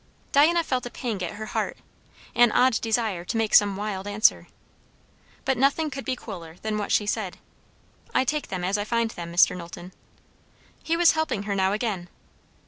Diana felt a pang at her heart, an odd desire to make some wild answer. But nothing could be cooler than what she said. "I take them as I find them, Mr. Knowlton." He was helping her now again.